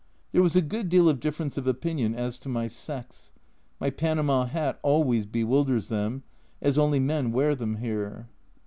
There was a good deal of difference of opinion as to A Journal from Japan 173 my sex. My panama hat always bewilders them, as only men wear them here.